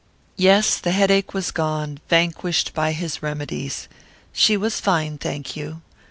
Yes, the headache was gone, vanquished by his remedies. She was fine, thank you.